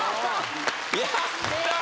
やったー